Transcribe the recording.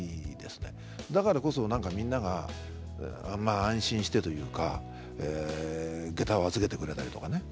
だからこそなんかみんなが安心してというか下駄を預けてくれたりとかね